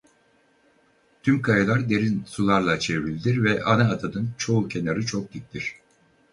Tüm kayalar derin sularla çevrilidir ve ana adanın çoğu kenarı çok diktir.